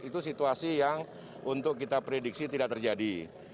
itu situasi yang untuk kita prediksi tidak terjadi